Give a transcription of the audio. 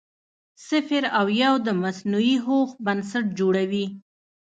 صفر او یو د مصنوعي هوښ بنسټ جوړوي.